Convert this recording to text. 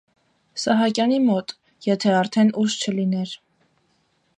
Սահակյանի մոտ, եթե արդեն ուշ չլիներ: